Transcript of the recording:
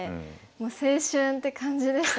もう青春って感じでしたね。